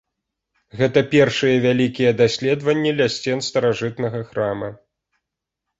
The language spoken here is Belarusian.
Гэта першыя вялікія даследаванні ля сцен старажытнага храма.